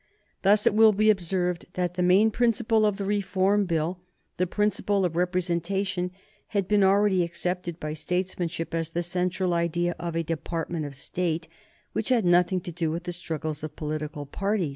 Thus, it will be observed that the main principle of the Reform Bill, the principle of representation, had been already accepted by statesmanship as the central idea of a department of State which had nothing to do with the struggles of political parties.